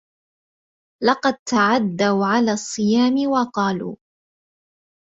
قد تعدوا على الصيام وقالوا